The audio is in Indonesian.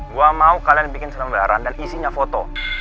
gue mau kalian bikin selambaran dan isinya foto